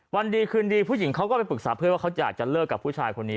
วันดีคืนดีผู้หญิงเขาก็ไปปรึกษาเพื่อนว่าเขาอยากจะเลิกกับผู้ชายคนนี้